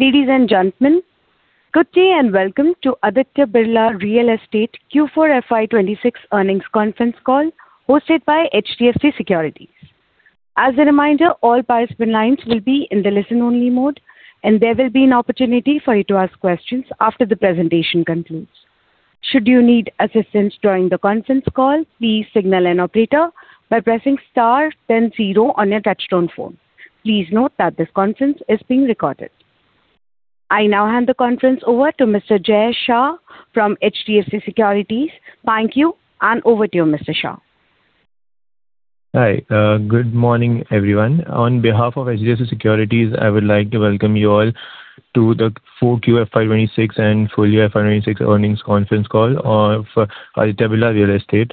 Ladies and gentlemen, good day and welcome to Aditya Birla Real Estate Q4 FY 2026 earnings conference call, hosted by HDFC Securities. As a reminder, all participants' lines will be in the listen-only mode, and there will be an opportunity for you to ask questions after the presentation concludes. Should you need assistance during the conference call, please signal an operator by pressing star then zero on your touchtone phone. Please note that this conference is being recorded. I now hand the conference over to Mr. Jay Shah from HDFC Securities. Thank you, and over to you, Mr. Shah. Hi. Good morning, everyone. On behalf of HDFC Securities, I would like to welcome you all to the 4Q FY 2026 and full year FY 2026 earnings conference call of Aditya Birla Real Estate.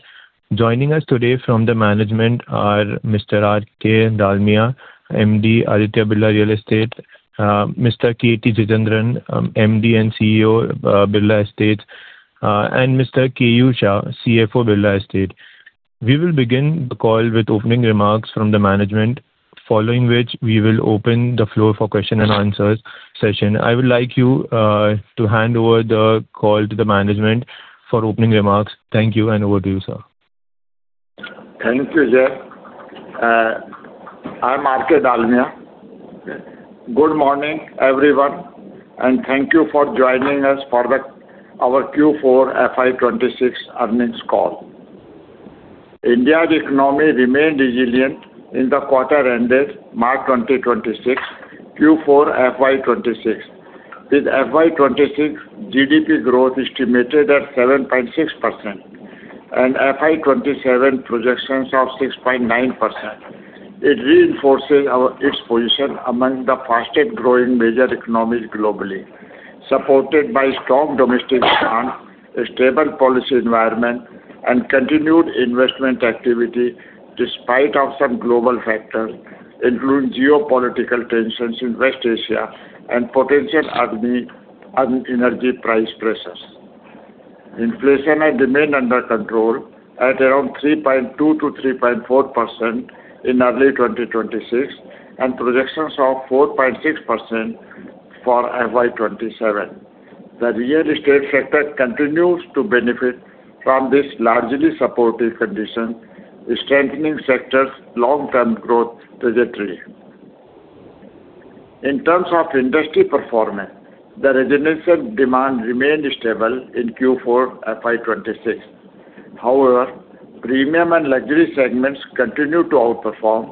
Joining us today from the management are Mr. R.K. Dalmia, MD, Aditya Birla Real Estate; Mr. K.T. Jithendran, MD and CEO, Birla Estates, and Mr. Keyur Shah, CFO, Birla Estates. We will begin the call with opening remarks from the management, following which we will open the floor for question and answer session. I would like you to hand over the call to the management for opening remarks. Thank you, and over to you, sir. Thank you, Jay. I'm R.K. Dalmia. Good morning, everyone, and thank you for joining us for our Q4 FY 2026 earnings call. India's economy remained resilient in the quarter ended March 2026, Q4 FY 2026. With FY 2026 GDP growth estimated at 7.6% and FY 2027 projections of 6.9%, it reinforces its position among the fastest-growing major economies globally, supported by strong domestic demand, a stable policy environment, and continued investment activity despite of some global factors, including geopolitical tensions in West Asia and potential energy price pressures. Inflation has remained under control at around 3.2%-3.4% in early 2026, and projections of 4.6% for FY 2027. The real estate sector continues to benefit from this largely supportive condition, strengthening sector's long-term growth trajectory. In terms of industry performance, the residential demand remained stable in Q4 FY 2026. However, premium and luxury segments continue to outperform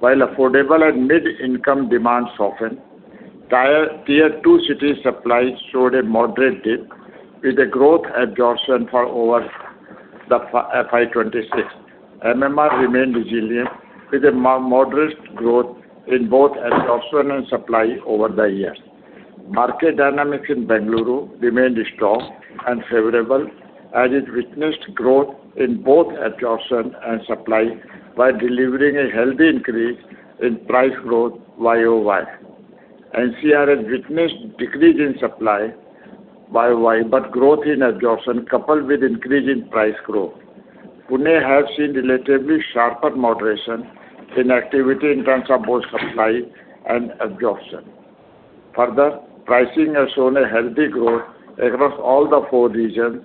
while affordable and mid-income demand soften. Tier 2 cities' supply showed a moderate dip with a growth absorption for over the FY 2026. MMR remained resilient with a modest growth in both absorption and supply over the years. Market dynamics in Bengaluru remained strong and favorable as it witnessed growth in both absorption and supply by delivering a healthy increase in price growth YoY. NCR has witnessed decrease in supply YoY, but growth in absorption coupled with increase in price growth. Pune has seen relatively sharper moderation in activity in terms of both supply and absorption. Further, pricing has shown a healthy growth across all the four regions.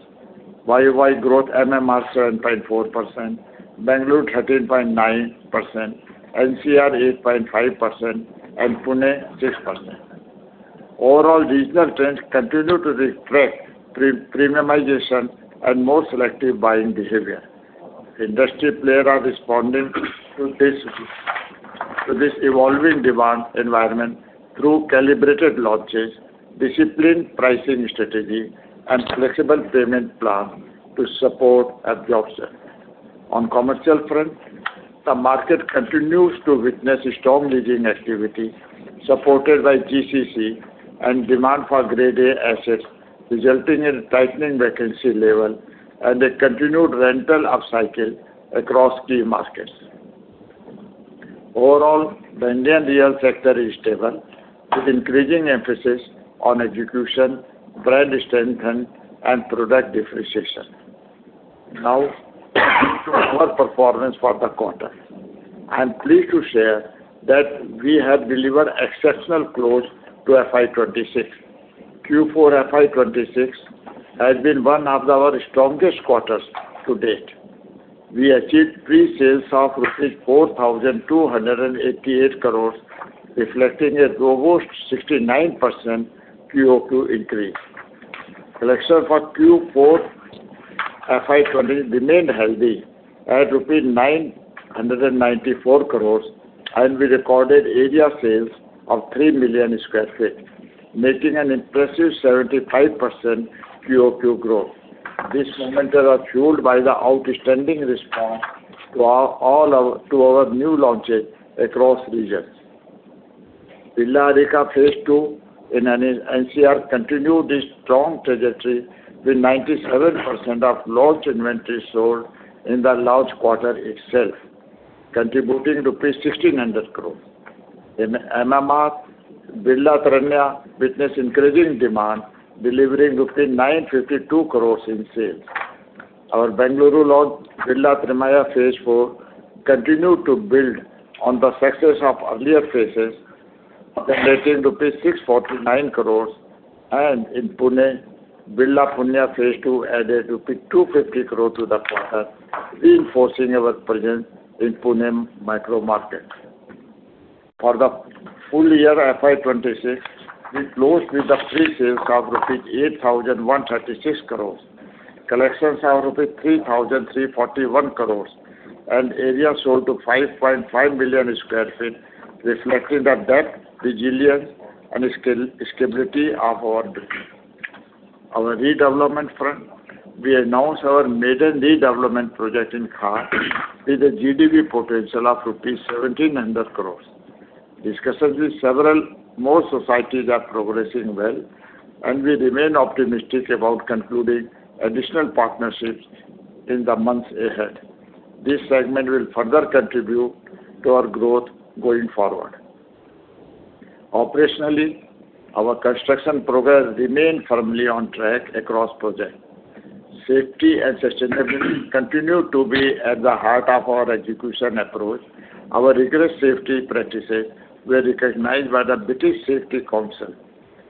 YoY growth MMR 7.4%, Bengaluru 13.9%, NCR 8.5%, Pune 6%. Overall regional trends continue to reflect pre-premiumization and more selective buying behavior. Industry player are responding to this evolving demand environment through calibrated launches, disciplined pricing strategy, and flexible payment plan to support absorption. On commercial front, the market continues to witness strong leasing activity supported by GCC and demand for grade A assets, resulting in tightening vacancy level and a continued rental upcycle across key markets. Overall, the Indian real sector is stable with increasing emphasis on execution, brand strength, and product differentiation. To our performance for the quarter. I'm pleased to share that we have delivered exceptional close to FY 2026. Q4 FY 2026 has been one of our strongest quarters to date. We achieved pre-sales of 4,288 crores, reflecting a robust 69% QoQ increase. Collection for Q4 FY 2020 remained healthy at INR 994 crores, and we recorded area sales of 3 million sq ft, making an impressive 75% QoQ growth. This momentum was fueled by the outstanding response to our new launches across regions. Birla Arika Phase 2 in NCR continued its strong trajectory with 97% of launch inventory sold in the launch quarter itself, contributing INR 1,600 crores. In MMR, Birla Taranya witnessed increasing demand, delivering 952 crores in sales. Our Bengaluru launch, Birla Trimaya Phase 4, continued to build on the success of earlier phases, generating rupees 649 crores. In Pune, Birla Punya Phase 2 added rupees 250 crore to the quarter, reinforcing our presence in Pune micro market. For the full year FY 2026, we closed with the pre-sales of 8,136 crore rupees, collections of 3,341 crore rupees, and area sold to 5.5 million sq ft, reflecting the depth, resilience, and stability of our business. On our redevelopment front, we announced our maiden redevelopment project in Khar with a GDV potential of rupees 1,700 crore. Discussions with several more societies are progressing well. We remain optimistic about concluding additional partnerships in the months ahead. This segment will further contribute to our growth going forward. Operationally, our construction progress remained firmly on track across projects. Safety and sustainability continue to be at the heart of our execution approach. Our rigorous safety practices were recognized by the British Safety Council,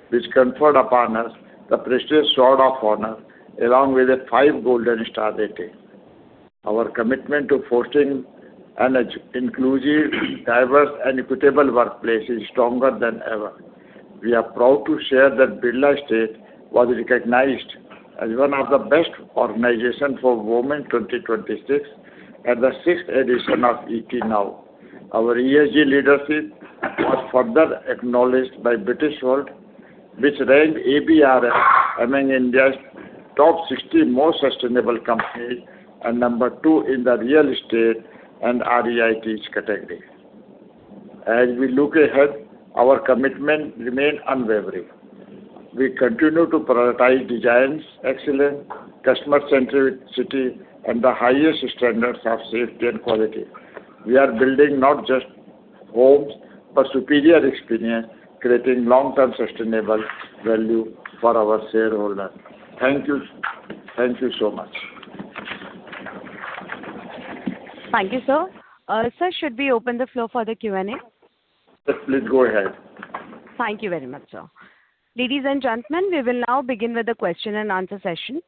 which conferred upon us the prestigious Sword of Honour, along with a 5-golden star rating. Our commitment to fostering an inclusive, diverse, and equitable workplace is stronger than ever. We are proud to share that Birla Estates was recognized as one of the best organizations for women 2026 at the sixth edition of ET Now. Our ESG leadership was further acknowledged by British World, which ranked ABREL among India's top 60 most sustainable companies and number two in the real estate and REITs category. As we look ahead, our commitment remain unwavering. We continue to prioritize designs, excellence, customer centricity, and the highest standards of safety and quality. We are building not just homes, but superior experience, creating long-term sustainable value for our shareholders. Thank you. Thank you so much. Thank you, sir. Sir, should we open the floor for the Q&A? Yes, please go ahead. Thank you very much, sir. Ladies and gentlemen, we will now begin with the question and answer session.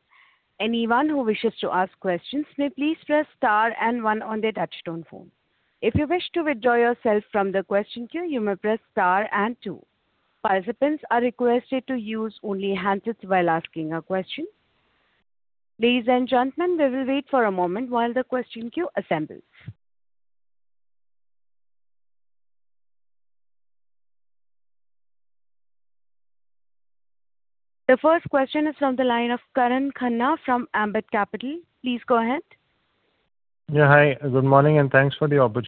Anyone who wishes to ask questions may please press star and one on their touchtone phone. If you wish to withdraw yourself from the question queue, you may press star and two. Participants are requested to use only handsets while asking a question. Ladies and gentlemen, we will wait for a moment while the question queue assembles. The first question is from the line of Karan Khanna from Ambit Capital. Please go ahead. Yeah, hi. Good morning, and thanks for the opport-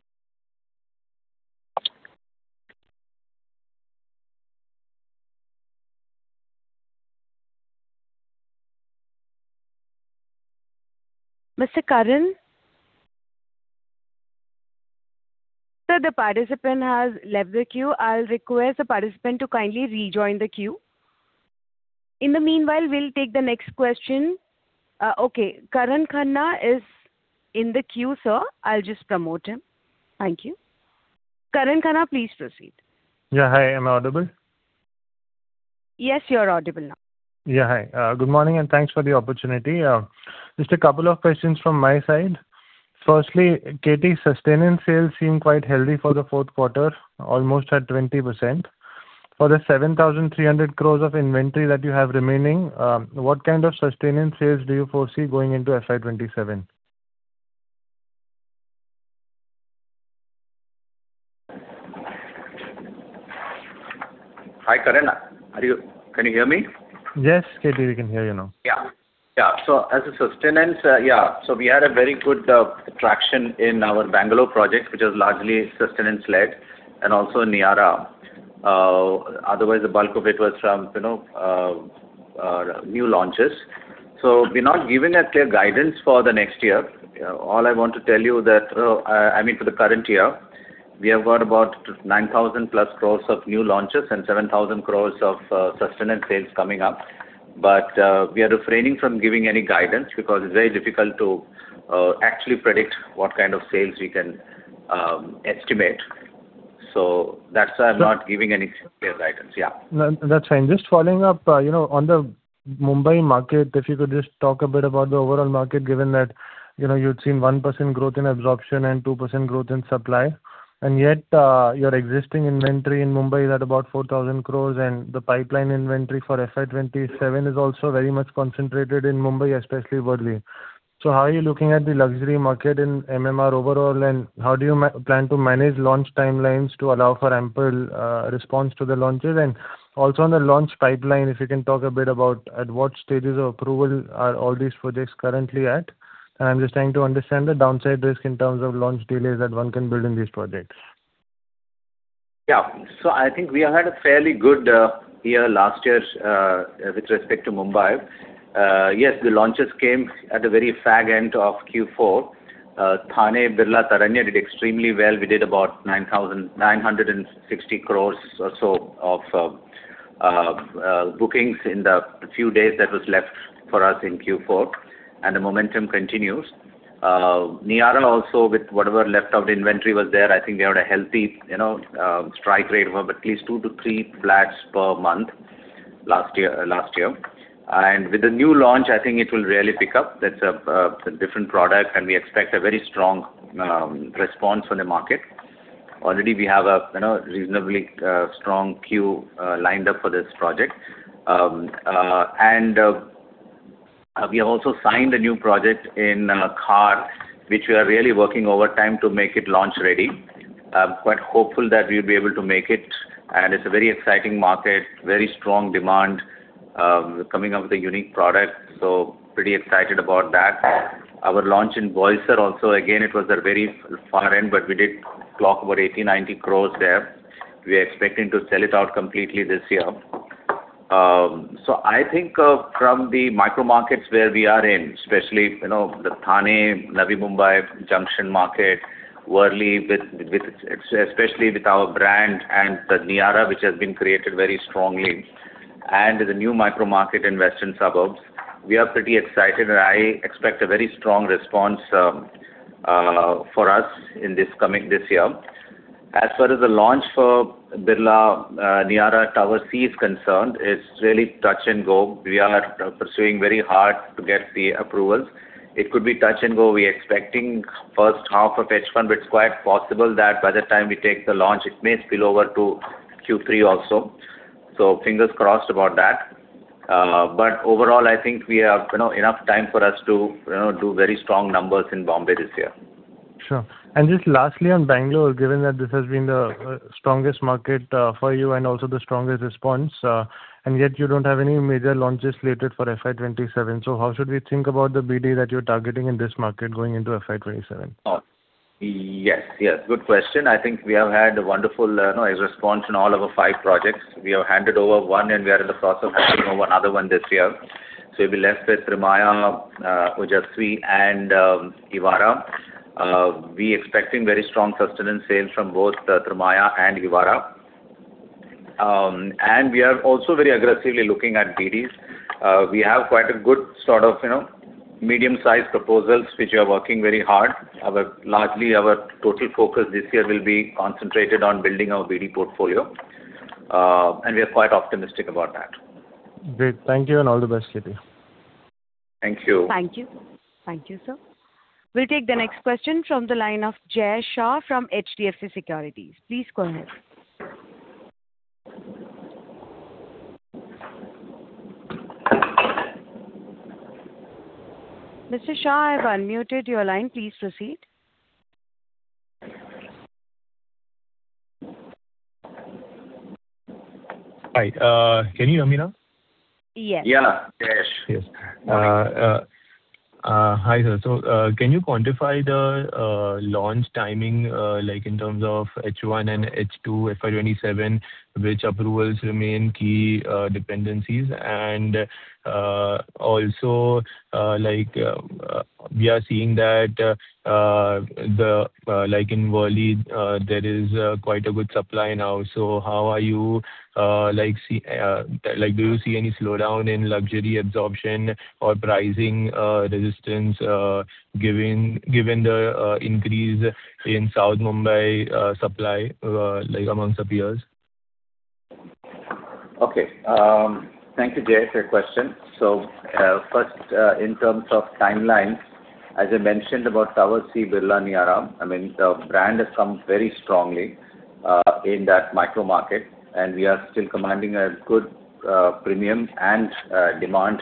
Mr. Karan? Sir, the participant has left the queue. I'll request the participant to kindly rejoin the queue. In the meanwhile, we'll take the next question. Okay. Karan Khanna is in the queue, sir. I'll just promote him. Thank you. Karan Khanna, please proceed. Yeah. Hi, am I audible? Yes, you are audible now. Yeah. Hi. Good morning, and thanks for the opportunity. Just a couple of questions from my side. Firstly, K.T., sustaining sales seem quite healthy for the fourth quarter, almost at 20%. For the 7,300 crores of inventory that you have remaining, what kind of sustaining sales do you foresee going into FY 2027? Hi, Karan. Can you hear me? Yes, K.T., we can hear you now. Yeah. As a Sustenance, we had a very good traction in our Bangalore project, which was largely Sustenance-led and also in Niyaara. Otherwise, the bulk of it was from new launches. We're not giving a clear guidance for the next year. All I want to tell you that, I mean, for the current year, we have got about 9,000+ crores of new launches and 7,000 crores of Sustenance sales coming up. We are refraining from giving any guidance because it's very difficult to actually predict what kind of sales we can estimate. That's why I'm not giving any clear guidance. No, that's fine. Just following up, you know, on the Mumbai market, if you could just talk a bit about the overall market, given that, you know, you'd seen 1% growth in absorption and 2% growth in supply, yet, your existing inventory in Mumbai is at about 4,000 crore, the pipeline inventory for FY 2027 is also very much concentrated in Mumbai, especially Worli. How are you looking at the luxury market in MMR overall, and how do you plan to manage launch timelines to allow for ample response to the launches? Also on the launch pipeline, if you can talk a bit about at what stages of approval are all these projects currently at. I'm just trying to understand the downside risk in terms of launch delays that one can build in these projects. Yeah. I think we had a fairly good year last year with respect to Mumbai. Yes, the launches came at the very fag end of Q4. Thane Birla Taranya did extremely well. We did about 960 crore or so of bookings in the few days that was left for us in Q4. The momentum continues. Niyaara, also with whatever leftover inventory was there, I think we had a healthy, you know, strike rate of at least two to three flats per month last year. With the new launch, I think it will really pick up. That's a different product, and we expect a very strong response from the market. Already we have a, you know, reasonably strong queue lined up for this project. We have also signed a new project in Khar, which we are really working overtime to make it launch-ready. I'm quite hopeful that we'll be able to make it, and it's a very exciting market, very strong demand, coming up with a unique product, so pretty excited about that. Our launch in Boisar also, again, it was a very far end, but we did clock about 80 crores-90 crores there. We are expecting to sell it out completely this year. I think, from the micro markets where we are in, especially, you know, the Thane, Navi Mumbai junction market, Worli especially with our brand and the Niyaara, which has been created very strongly and the new micro market in Western suburbs, we are pretty excited, and I expect a very strong response for us in this year. As far as the launch for Birla Niyaara Tower C is concerned, it's really touch and go. We are pursuing very hard to get the approvals. It could be touch and go. We're expecting first half of H1, but it's quite possible that by the time we take the launch, it may spill over to Q3 also. Fingers crossed about that. Overall, I think we have, you know, enough time for us to, you know, do very strong numbers in Bombay this year. Sure. Just lastly, on Bangalore, given that this has been the strongest market for you and also the strongest response, and yet you don't have any major launches slated for FY 2027. How should we think about the BD that you're targeting in this market going into FY 2027? Yes, yes. Good question. I think we have had a wonderful, you know, response in all of our five projects. We have handed over one, and we are in the process of handing over another one this year. We'll be left with Trimaya, Ojasvi, and Evara. We expecting very strong Sustenance sales from both Trimaya and Evara. We are also very aggressively looking at BDs. We have quite a good sort of, you know, medium-sized proposals which we are working very hard. Largely, our total focus this year will be concentrated on building our BD portfolio, and we are quite optimistic about that. Great. Thank you, and all the best, K.T. Thank you. Thank you. Thank you, sir. We'll take the next question from the line of Jay Shah from HDFC Securities. Please go ahead. Mr. Shah, I have unmuted your line. Please proceed. Hi. Can you hear me now? Yes. Yeah, Jay. Yes. Hi, sir. Can you quantify the launch timing, like in terms of H1 and H2 FY 2027, which approvals remain key dependencies? Also, we are seeing that the like in Worli, there is quite a good supply now. How are you? Do you see any slowdown in luxury absorption or pricing resistance given the increase in South Mumbai supply amongst the peers? Okay. Thank you, Jay, for your question. First, in terms of timelines, as I mentioned about Tower C, Birla Niyaara, I mean, the brand has come very strongly in that micro market, and we are still commanding a good premium and demand,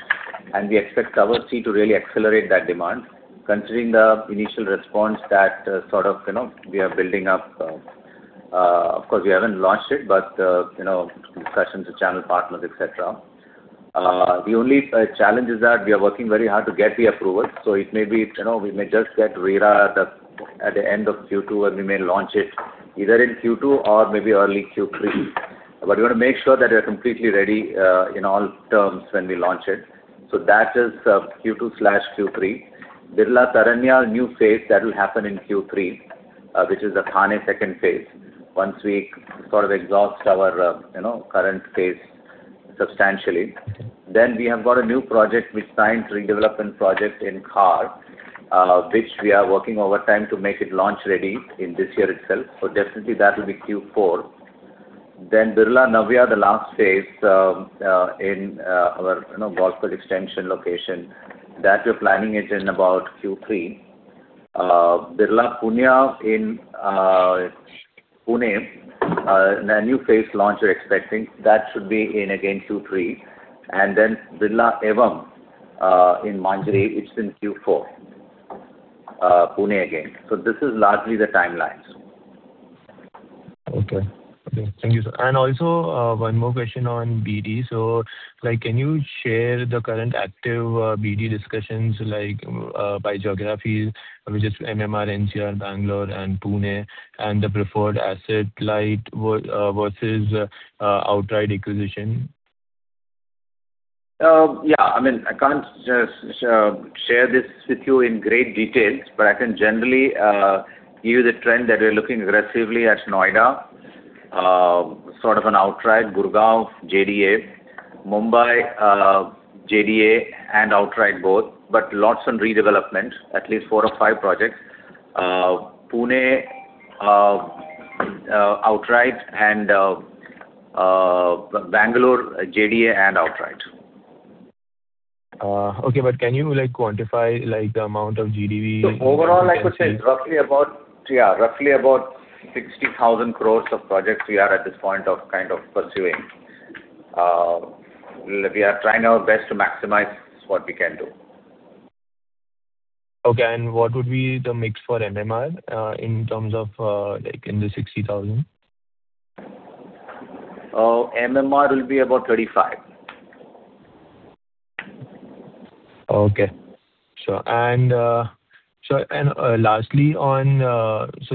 and we expect Tower C to really accelerate that demand. Considering the initial response that, sort of, you know, we are building up, of course, we haven't launched it, but, you know, discussions with channel partners, et cetera. The only challenge is that we are working very hard to get the approvals. It may be, you know, we may just get RERA at the end of Q2, and we may launch it either in Q2 or maybe early Q3. We wanna make sure that we're completely ready in all terms when we launch it. That is Q2/Q3. Birla Taranya new phase, that will happen in Q3, which is the Thane second phase. Once we sort of exhaust our, you know, current phase substantially. We have got a new project we signed, redevelopment project in Khar, which we are working overtime to make it launch-ready in this year itself. Definitely that will be Q4. Birla Navya, the last phase in our, you know, Golf Course Extension location, that we're planning it in about Q3. Birla Punya in Pune, the new phase launch we're expecting, that should be in again Q3. Birla Evam in Manjari, it's in Q4. Pune again. This is largely the timelines. Okay. Thank you, sir. Also, one more question on BD. Like, can you share the current active BD discussions, like, by geographies, which is MMR, NCR, Bangalore, and Pune, and the preferred asset, like, versus outright acquisition? Yeah. I mean, I can't just share this with you in great details, but I can generally give you the trend that we're looking aggressively at Noida. Sort of an outright Gurgaon JDA. Mumbai, JDA and outright both, but lots on redevelopment, at least four or five projects. Pune, outright and Bangalore JDA and outright. Okay. Can you, like, quantify, like, the amount of GDV? Overall, I could say roughly about Yeah, roughly about 60,000 crore of projects we are at this point of kind of pursuing. We are trying our best to maximize what we can do. Okay. What would be the mix for MMR, in terms of, like, in the 60,000? MMR will be about 35. Okay. Sure. Lastly on,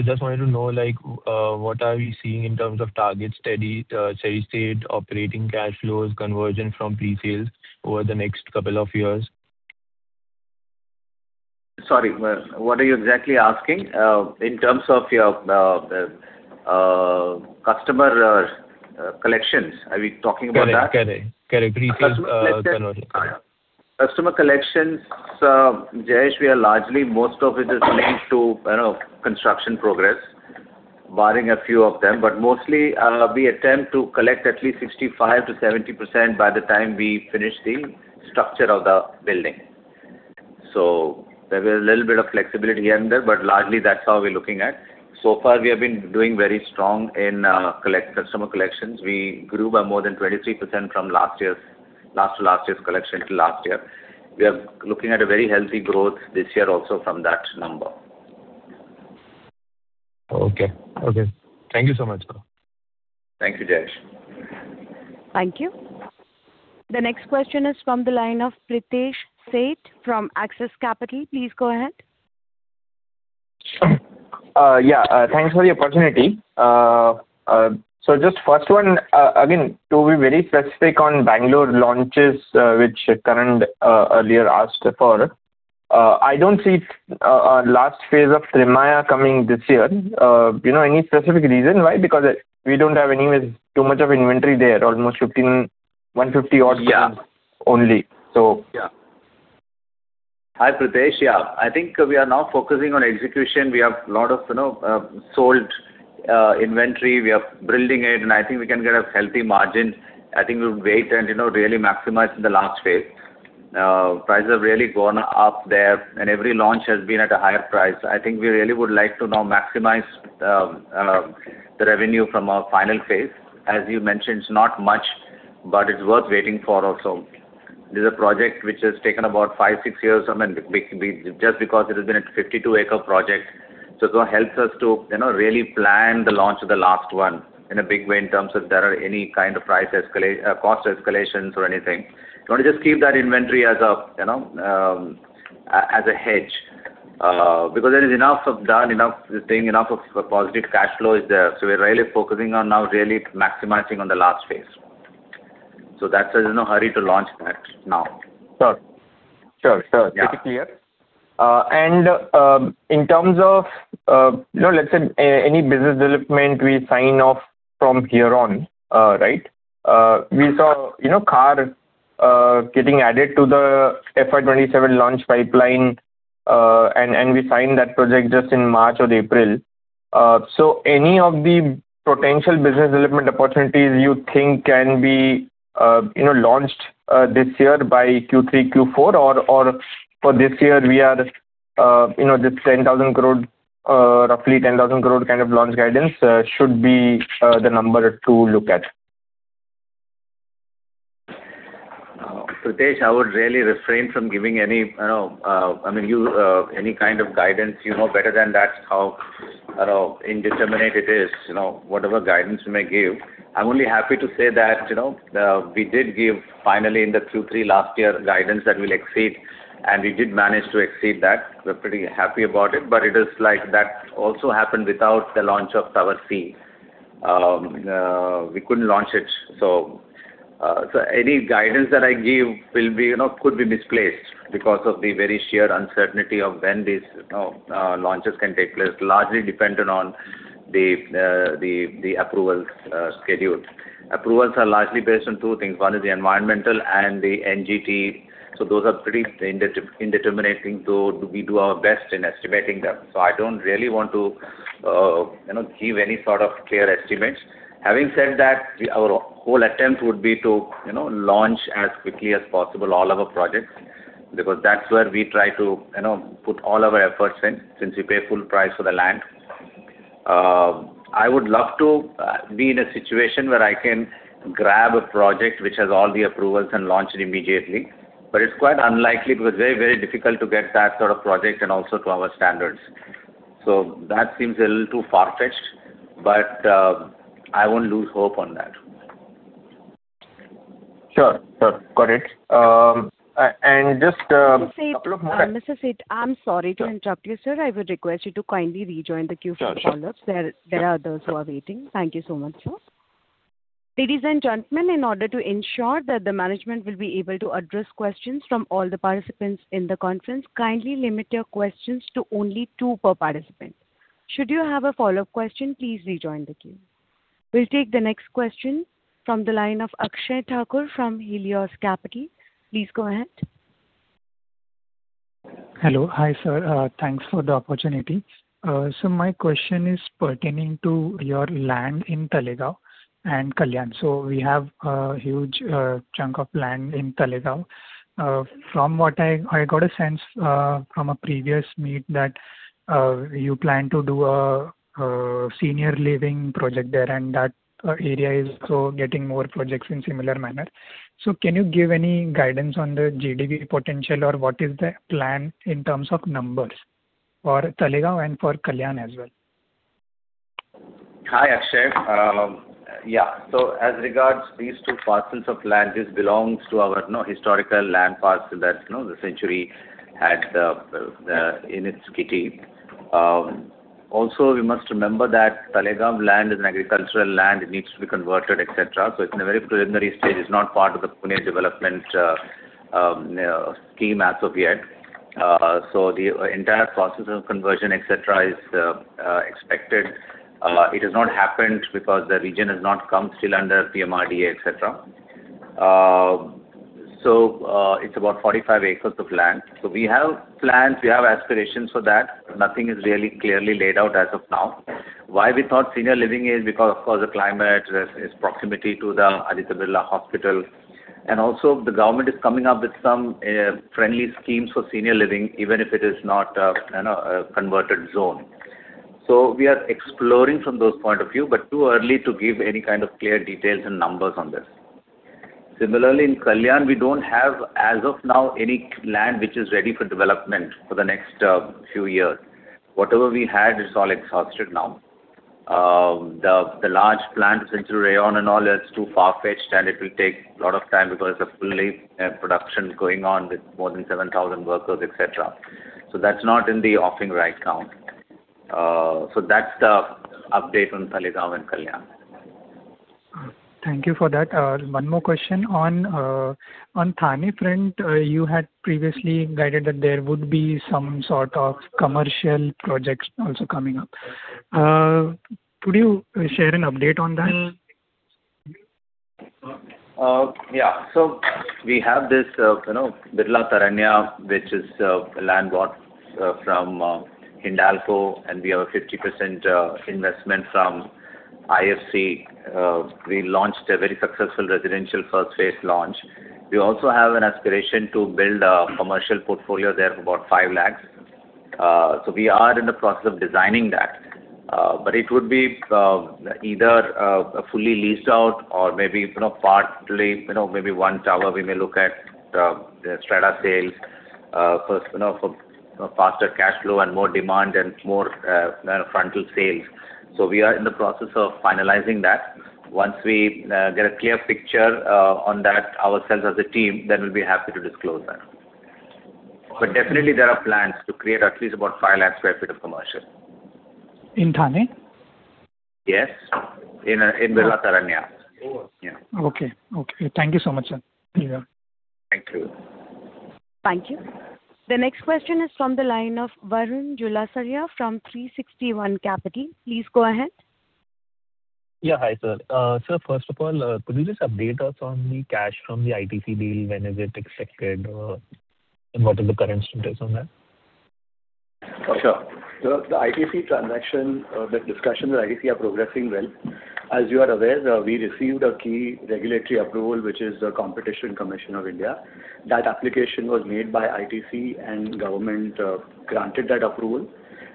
just wanted to know, like, what are we seeing in terms of target steady-state operating cash flows converging from pre-sales over the next couple of years? Sorry. What are you exactly asking? In terms of your customer collections, are we talking about that? Correct. Correct. Pre-sales, Customer collections? Yeah. Customer collections, Jay, we are largely, most of it is linked to, you know, construction progress, barring a few of them. Mostly, we attempt to collect at least 65%-70% by the time we finish the structure of the building. There is a little bit of flexibility here and there, but largely that's how we're looking at. So far, we have been doing very strong in customer collections. We grew by more than 23% from last to last year's collection to last year. We are looking at a very healthy growth this year, also from that number. Okay. Okay. Thank you so much. Thank you, Jay. Thank you. The next question is from the line of Pritesh Sheth from Axis Capital. Please go ahead. Yeah. Thanks for the opportunity. Just first one, again, to be very specific on Bengaluru launches, which Karan earlier asked for. I don't see a last phase of Birla Trimaya coming this year. You know, any specific reason why? Because we don't have anywhere too much of inventory there. Almost 150 odd only. Hi, Pritesh. I think we are now focusing on execution. We have lot of, you know, sold inventory. We are building it, and I think we can get a healthy margin. I think we'll wait and, you know, really maximize in the last phase. Prices have really gone up there, and every launch has been at a higher price. I think we really would like to now maximize the revenue from our final phase. As you mentioned, it's not much, but it's worth waiting for, also. This is a project which has taken about five, six years. I mean, we just because it has been a 52-acre project. It helps us to, you know, really plan the launch of the last one in a big way in terms of there are any kind of cost escalations or anything. We wanna just keep that inventory as a, you know, as a hedge, because there is enough of done, enough this thing, enough of positive cash flow is there. We're really focusing on now really maximizing on the last phase. That's why there's no hurry to launch that now. Sure. Yeah. It is clear. In terms of, you know, let's say any business development we sign off from here on, right? We saw, you know, KAR getting added to the FY 2027 launch pipeline, and we signed that project just in March or April. Any of the potential business development opportunities you think can be, you know, launched this year by Q3, Q4 or for this year we are, you know, this 10,000 crore, roughly 10,000 crore kind of launch guidance should be the number to look at. Pritesh, I would really refrain from giving any, you know, I mean, you any kind of guidance. You know better than that how, you know, indeterminate it is, you know, whatever guidance you may give. I am only happy to say that, you know, we did give finally in the Q3 last year guidance that we will exceed, and we did manage to exceed that. We are pretty happy about it. It is like that also happened without the launch of Tower C. We couldn't launch it. Any guidance that I give will be, you know, could be misplaced because of the very sheer uncertainty of when these, you know, launches can take place, largely dependent on the approvals schedule. Approvals are largely based on two things. One is the environmental, and the NGT. Those are pretty indeterminable things, so we do our best in estimating them. I don't really want to, you know, give any sort of clear estimates. Having said that, our whole attempt would be to, you know, launch as quickly as possible all of our projects, because that's where we try to, you know, put all our efforts in since we pay full price for the land. I would love to be in a situation where I can grab a project which has all the approvals and launch it immediately, but it's quite unlikely because very difficult to get that sort of project and also to our standards. That seems a little too far-fetched, but I won't lose hope on that. Sure. Got it. And just. Mr. Sheth- A couple of more- Mr. Sheth, I'm sorry to interrupt you, sir. I would request you to kindly rejoin the queue for follow-ups. Sure There, there are others who are waiting. Thank you so much, sir. Ladies and gentlemen, in order to ensure that the management will be able to address questions from all the participants in the conference, kindly limit your questions to only two per participant. Should you have a follow-up question, please rejoin the queue. We'll take the next question from the line of Akshay Thakur from Helios Capital. Please go ahead. Hello. Hi, sir. Thanks for the opportunity. My question is pertaining to your land in Talegaon and Kalyan. We have a huge chunk of land in Talegaon. From what I got a sense from a previous meet that you plan to do a senior living project there, and that area is also getting more projects in similar manner. Can you give any guidance on the GDP potential, or what is the plan in terms of numbers for Talegaon and for Kalyan as well? Hi, Akshay. Yeah. As regards these two parcels of land, this belongs to our, you know, historical land parcel that, you know, Century Textiles had in its kitty. We must remember that Talegaon land is an agricultural land. It needs to be converted, et cetera. It is in a very preliminary stage. It is not part of the Pune development scheme as of yet. The entire process of conversion, et cetera, is expected. It has not happened because the region has not come still under PMRDA, et cetera. It is about 45 acres of land. We have plans, we have aspirations for that. Nothing is really clearly laid out as of now. Why we thought senior living is because, of course, the climate, its proximity to the Aditya Birla Hospital. The government is coming up with some friendly schemes for senior living, even if it is not, you know, a converted zone. We are exploring from those point of view, but too early to give any kind of clear details and numbers on this. In Kalyan, we don't have, as of now, any land which is ready for development for the next few years. Whatever we had is all exhausted now. The large plant, Centurion and all, that's too far-fetched, and it will take a lot of time because it's a fully production going on with more than 7,000 workers, et cetera. That's not in the offing right now. That's the update on Talegaon and Kalyan. Thank you for that. One more question on Thane front, you had previously guided that there would be some sort of commercial projects also coming up. Could you share an update on that? Yeah. We have this, you know, Birla Taranya, which is land bought from Hindalco, and we have a 50% investment from IFC. We launched a very successful residential first phase launch. We also have an aspiration to build a commercial portfolio there of about 5 lakh. We are in the process of designing that. But it would be either fully leased out or maybe, you know, partly, you know, maybe one tower we may look at the strata sales for, you know, for, you know, faster cash flow and more demand and more, you know, frontal sales. We are in the process of finalizing that. Once we get a clear picture on that ourselves as a team, then we'll be happy to disclose that. Definitely there are plans to create at least about 5 lakh sq ft of commercial. In Thane? Yes. In Birla Taranya. Yeah. Okay. Thank you so much, sir. See you. Thank you. Thank you. The next question is from the line of Varun Julasaria from 360 ONE Capital. Please go ahead. Yeah. Hi, sir. Sir, first of all, could you just update us on the cash from the ITC deal? When is it expected or, what are the current status on that? Sure. The ITC transaction, the discussions with ITC are progressing well. As you are aware, we received a key regulatory approval, which is the Competition Commission of India. That application was made by ITC, and government granted that approval.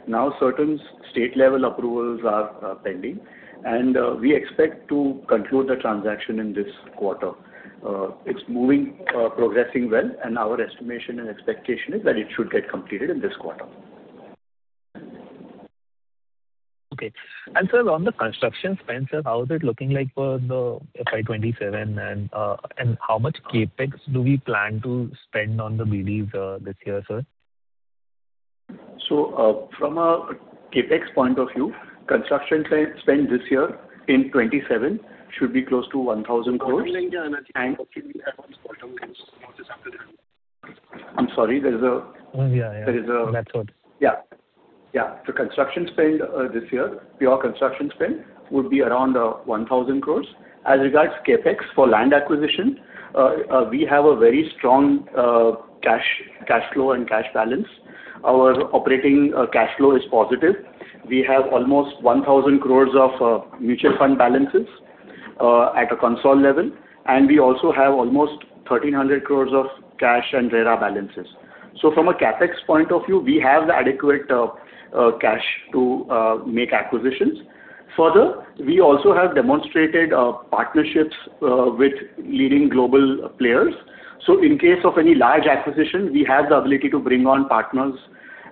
Now, certain state-level approvals are pending, and we expect to conclude the transaction in this quarter. It's moving, progressing well, and our estimation and expectation is that it should get completed in this quarter. Okay. Sir, on the construction spend, sir, how is it looking like for the FY 2027, and how much CapEx do we plan to spend on the BDs this year, sir? From a CapEx point of view, construction spend this year in 27 should be close to 1,000 crores. I'm sorry. Yeah. There is a- Method. Yeah. Yeah. The construction spend, this year, pure construction spend, would be around 1,000 crores. As regards CapEx for land acquisition, we have a very strong cash flow and cash balance. Our operating cash flow is positive. We have almost 1,000 crores of mutual fund balances at a consol level, and we also have almost 1,300 crores of cash and RERA balances. From a CapEx point of view, we have the adequate cash to make acquisitions. Further, we also have demonstrated partnerships with leading global players. In case of any large acquisition, we have the ability to bring on partners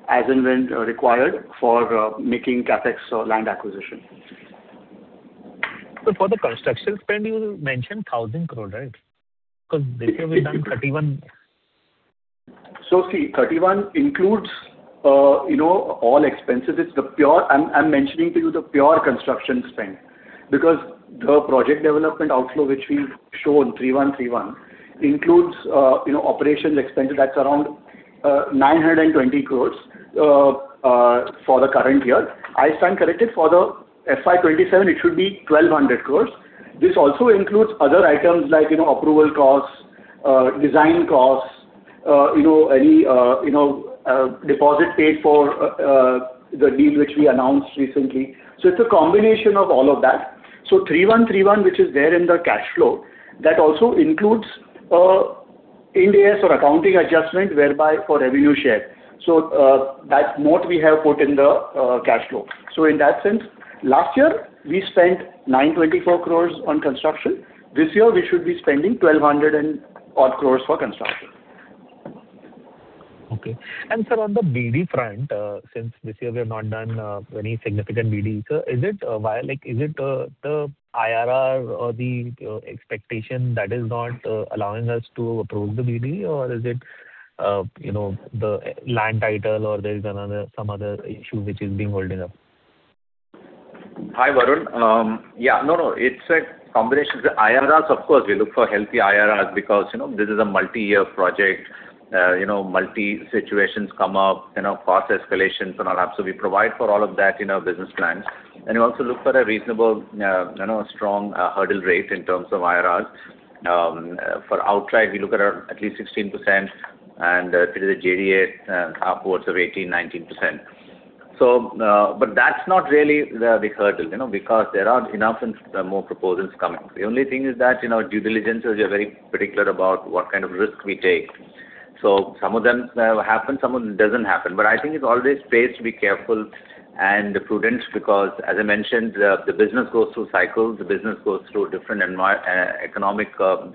as and when required for making CapEx or land acquisition. For the construction spend, you mentioned 1,000 crore, right? Because this year we've done 31 crore. See, 31 crore includes, you know, all expenses. It's the pure. I'm mentioning to you the pure construction spend because the project development outflow which we've shown, 3,131, includes, you know, operations expenses. That's around 920 crore for the current year. I stand corrected. For the FY 2027, it should be 1,200 crore. This also includes other items like, you know, approval costs, design costs, you know, any, you know, deposit paid for the deal which we announced recently. It's a combination of all of that. 3,131, which is there in the cash flow, that also includes Ind AS or accounting adjustment whereby for revenue share. That moat we have put in the cash flow. In that sense, last year we spent 924 crore on construction. This year, we should be spending 1,200 odd crores for construction. Okay. Sir, on the BD front, since this year we have not done any significant BD, sir, is it via, like, is it the IRR or the expectation that is not allowing us to approve the BD? Or is it, you know, the land title, or there is some other issue which is being holding up? Hi, Varun. Yeah, no, it's a combination. The IRRs, of course, we look for healthy IRRs because, you know, this is a multi-year project. You know, multi situations come up, you know, cost escalations and all that. We provide for all of that in our business plans. We also look for a reasonable, you know, strong hurdle rate in terms of IRRs. For outright, we look at at least 16%, and if it is a JDA, upwards of 18%-19%. That's not really the hurdle, you know, because there are enough and more proposals coming. The only thing is that, you know, due diligence, we are very particular about what kind of risk we take. Some of them happen, some of them doesn't happen. I think it always pays to be careful and prudent because, as I mentioned, the business goes through cycles, the business goes through different economic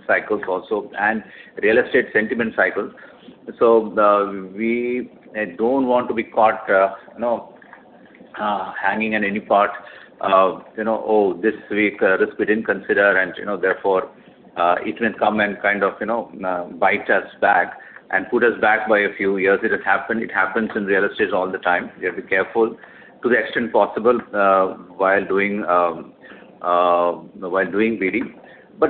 cycles also, and real estate sentiment cycles. We don't want to be caught, you know, hanging in any part of, you know, "Oh, this risk we didn't consider," and, you know, therefore, it will come and kind of, you know, bite us back and put us back by a few years. It has happened. It happens in real estate all the time. We have to be careful to the extent possible, while doing, while doing BD.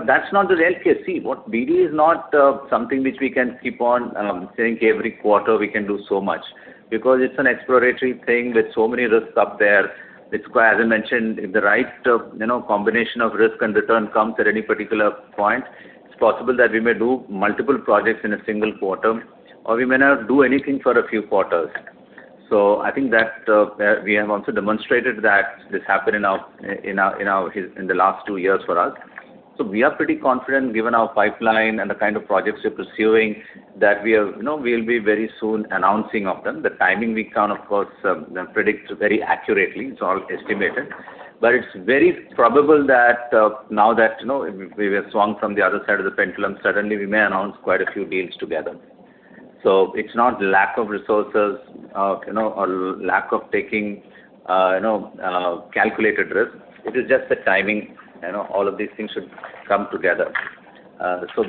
That's not the real case. See, what BD is not something which we can keep on saying every quarter we can do so much because it's an exploratory thing with so many risks up there. It's as I mentioned, if the right, you know, combination of risk and return comes at any particular point, it's possible that we may do multiple projects in a single quarter, or we may not do anything for a few quarters. I think that we have also demonstrated that this happened in the last two years for us. We are pretty confident, given our pipeline and the kind of projects we're pursuing, that we are, you know, we'll be very soon announcing of them. The timing we can't, of course, predict very accurately. It's all estimated. It's very probable that, now that you know, we have swung from the other side of the pendulum, suddenly we may announce quite a few deals together. It's not lack of resources, you know, or lack of taking, you know, calculated risk. It is just the timing. You know, all of these things should come together.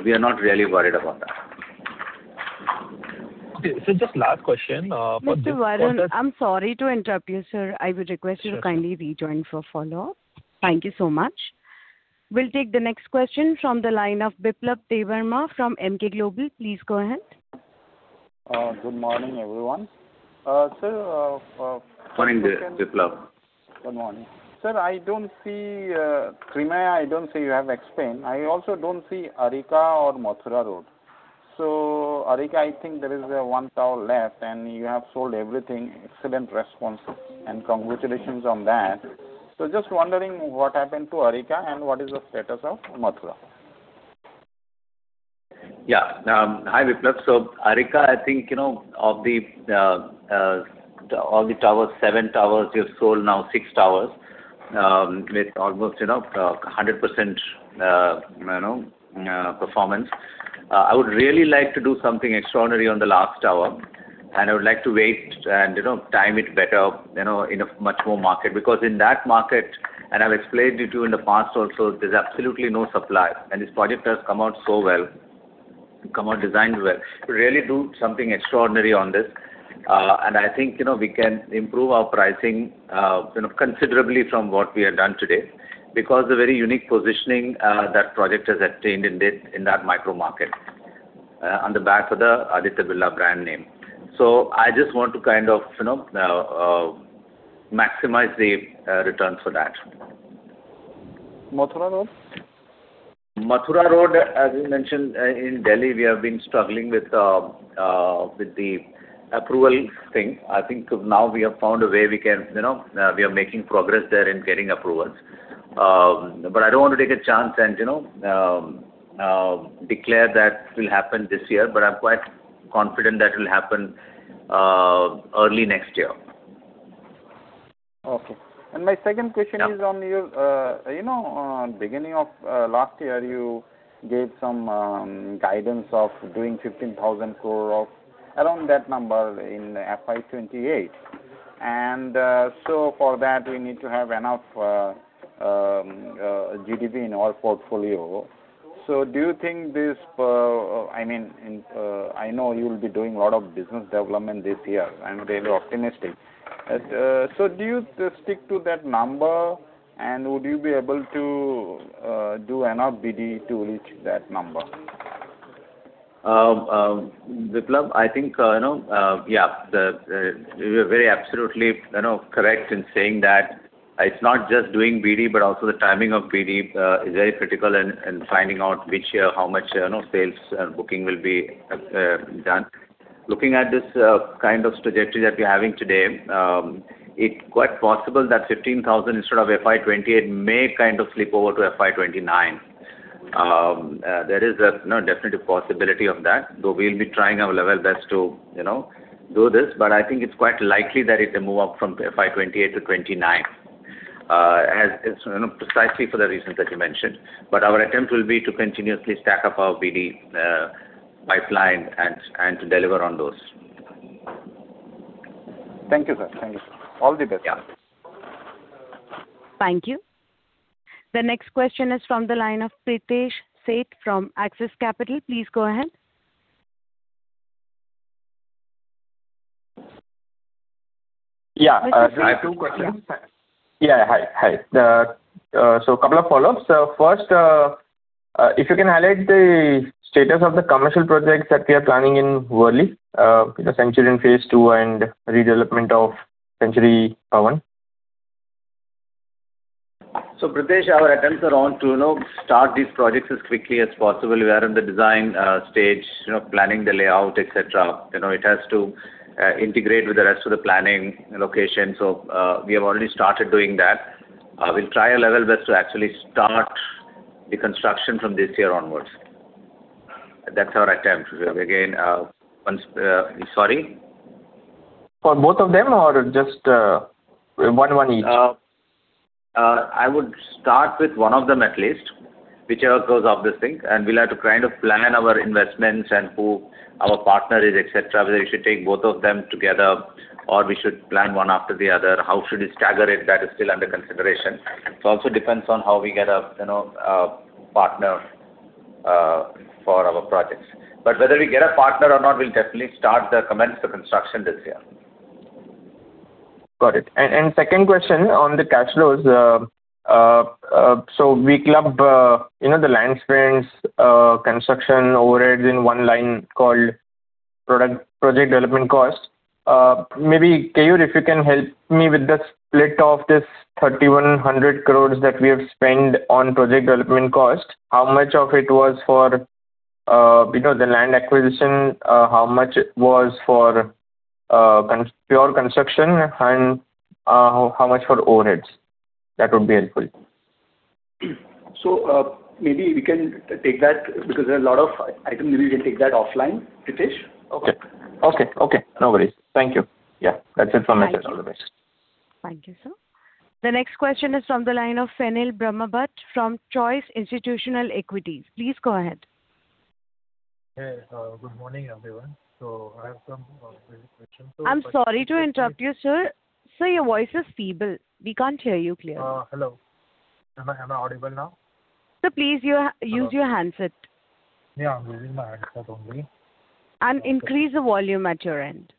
We are not really worried about that. Okay. Just last question for this quarter. Mr. Varun, I'm sorry to interrupt you, sir. I would request you to kindly rejoin for follow-up. Thank you so much. We will take the next question from the line of Biplab Debbarma from Emkay Global. Please go ahead. Good morning, everyone. Sir, Fine, Biplab. Good morning. Sir, I don't see Trimaya, I don't see you have explained. I also don't see Arika or Mathura Road. Arika, I think there is one tower left, and you have sold everything. Excellent response, and congratulations on that. Just wondering what happened to Arika and what is the status of Mathura? Hi, Biplab. Arika, I think, you know, of the towers, seven towers, we have sold now six towers, with almost, you know, 100% performance. I would really like to do something extraordinary on the last tower, and I would like to wait and, you know, time it better, you know, in a much more market. In that market, and I've explained it to you in the past also, there's absolutely no supply, and this project has come out so well, come out designed well. To really do something extraordinary on this, I think, you know, we can improve our pricing, you know, considerably from what we have done today because the very unique positioning, that project has attained in that micro market, on the back of the Aditya Birla brand name. I just want to kind of, you know, maximize the returns for that. Mathura Road? Mathura Road, as you mentioned, in Delhi, we have been struggling with the approval thing. I think now we have found a way we can, you know, we are making progress there in getting approvals. I don't want to take a chance and, you know, declare that will happen this year, but I'm quite confident that will happen early next year. Okay. My second question is on your, you know, beginning of last year, you gave some guidance of doing 15,000 crore, around that number in FY 2028. For that, we need to have enough GDP in our portfolio. Do you think this, I mean, I know you'll be doing a lot of business development this year. I'm really optimistic. Do you stick to that number, and would you be able to do enough BD to reach that number? Biplab, I think, you know, yeah. You're very absolutely, you know, correct in saying that it's not just doing BD, but also the timing of BD is very critical in finding out which year, how much, you know, sales and booking will be done. Looking at this kind of trajectory that we're having today, it quite possible that 15,000 instead of FY 2028 may kind of slip over to FY 2029. There is a, you know, definitely possibility of that. Though we'll be trying our level best to, you know, do this, but I think it's quite likely that it may move up from FY 2028 to 2029, as, you know, precisely for the reasons that you mentioned. Our attempt will be to continuously stack up our BD pipeline and to deliver on those. Thank you, sir. Thank you. All the best. Yeah. Thank you. The next question is from the line of Pritesh Sheth from Axis Capital. Please go ahead. Yeah. I have two questions. Yeah. Hi. The, couple of follows. First, if you can highlight the status of the commercial projects that we are planning in Worli, you know, Centurion Phase 2 and redevelopment of Century Bhavan. Pritesh, our attempts are on to, you know, start these projects as quickly as possible. We are in the design stage, you know, planning the layout, et cetera. You know, it has to integrate with the rest of the planning location. We have already started doing that. We'll try our level best to actually start the construction from this year onwards. That's our attempt. Again, once... Sorry? For both of them or just one each? I would start with one of them at least, whichever goes obviously. We'll have to kind of plan our investments and who our partner is, et cetera. Whether we should take both of them together or we should plan one after the other. How should we stagger it? That is still under consideration. It also depends on how we get a, you know, a partner for our projects. But whether we get a partner or not, we'll definitely commence the construction this year. Got it. Second question on the cash flows. We club, you know, the land spends, construction overheads in one line called project development cost. Maybe, Keyur, if you can help me with the split of this 3,100 crores that we have spent on project development cost. How much of it was for, you know, the land acquisition, how much was for pure construction and how much for overheads? That would be helpful. Maybe we can take that because there are a lot of items; maybe we can take that offline, Pritesh. Okay. Okay. No worries. Thank you. Yeah. That's it from my side. All the best. Thank you, sir. The next question is from the line of Fenil Brahmbhatt from Choice Institutional Equities. Please go ahead. Hey, good morning, everyone. I have some quick questions. I'm sorry to interrupt you, sir. Sir, your voice is feeble. We can't hear you clearly. Hello. Am I audible now? Sir, please use your handset. Yeah, I'm using my handset only. Increase the volume at your end.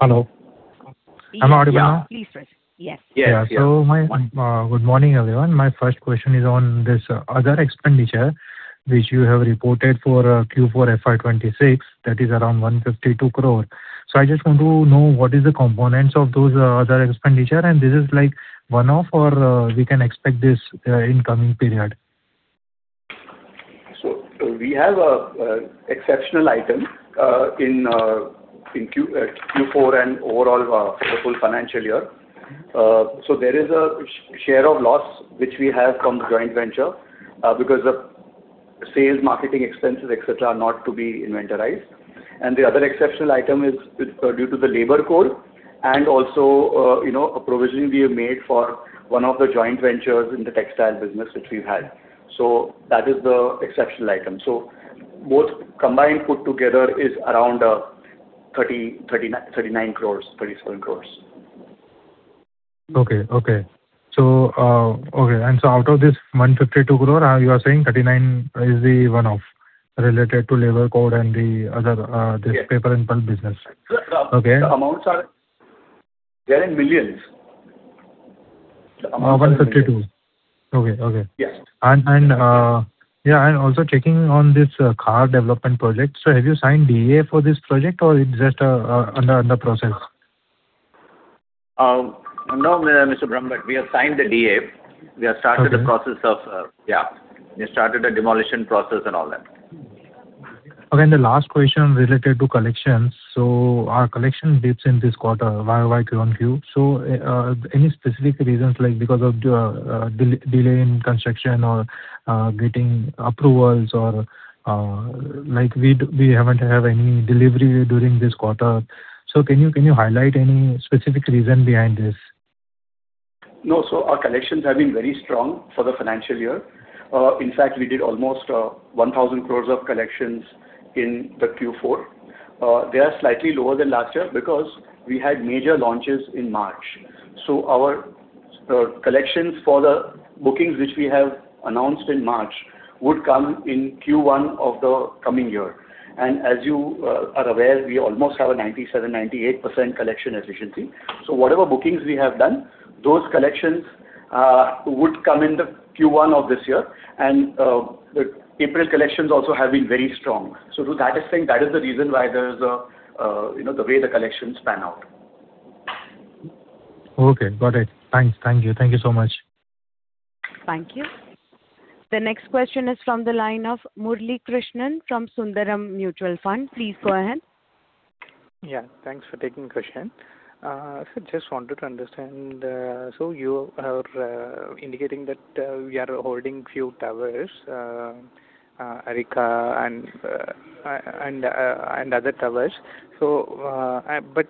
Hello. Am I audible now? Yeah. Please raise. Yes. Yeah. Good morning, everyone. My first question is on this other expenditure, which you have reported for Q4 FY2026, that is around 152 crore. I just want to know what is the components of those other expenditure, and this is like one-off or, we can expect this in coming period. We have a exceptional item in Q4 and overall for the full financial year. There is a share of loss which we have from the joint venture because the sales, marketing expenses, et cetera, are not to be inventorized. The other exceptional item is due to the labor code and, also, you know, a provision we have made for one of the joint ventures in the textile business, which we've had. That is the exceptional item. Both combined put together is around 39 crores, 37 crores. Okay. Out of this 152 crore, you are saying 39 is the one-off related to labor code and the other, this paper and pulp business. Okay. The amounts are in millions. 152. Okay. Okay. Yes. Yeah, also checking on this Khar development project. Have you signed DA for this project, or it's just under process? No, Mr. Brahmbhatt. We have signed the DA. Okay. Yeah. We started the demolition process and all that. Okay. The last question related to collections. Our collection dips in this quarter YoY, QoQ. Any specific reasons, like because of the delay in construction or getting approvals, or like we haven't had any delivery during this quarter? Can you highlight any specific reason behind this? No. Our collections have been very strong for the financial year. In fact, we did almost 1,000 crore of collections in the Q4. They are slightly lower than last year because we had major launches in March. Our collections for the bookings which we have announced in March would come in Q1 of the coming year. As you are aware, we almost have a 97%-98% collection efficiency. Whatever bookings we have done, those collections would come in the Q1 of this year. The April collections also have been very strong. To that extent, that is the reason why there's a, you know, the way the collections pan out. Okay, got it. Thanks. Thank you so much. Thank you. The next question is from the line of Muralikrishnan from Sundaram Mutual Fund. Please go ahead. Thanks for taking question. Just wanted to understand, so you are indicating that we are holding few towers, Arika and other towers. But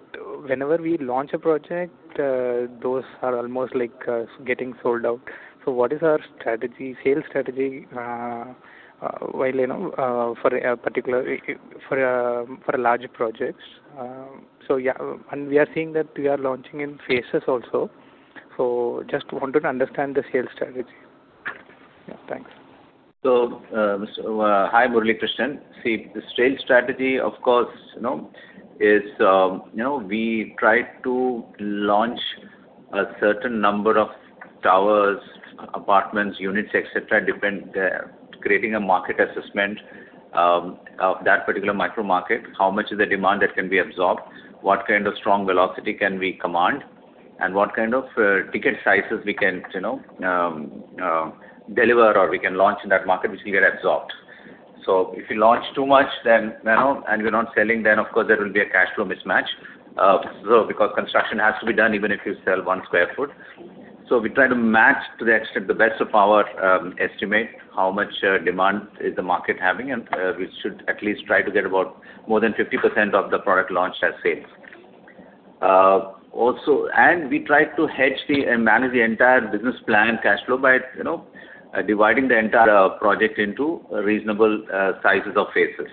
whenever we launch a project, those are almost like getting sold out. What is our strategy, sales strategy, while, you know, for large projects? We are seeing that we are launching in phases also. Just wanted to understand the sales strategy. Yeah, thanks. Hi, Muralikrishnan. See, the sales strategy, of course, you know, is, you know, we try to launch a certain number of towers, apartments, units, et cetera, depend creating a market assessment of that particular micro market, how much is the demand that can be absorbed, what kind of strong velocity can we command, and what kind of ticket sizes we can, you know, deliver or we can launch in that market which will get absorbed. If you launch too much, then you know, and you're not selling, then of course there will be a cash flow mismatch. Because construction has to be done even if you sell 1 sq ft. We try to match, to the extent the best of our estimate, how much demand is the market having, and we should at least try to get about more than 50% of the product launched as sales. We try to hedge the, and manage the entire business plan cash flow by, you know, dividing the entire project into reasonable sizes or phases.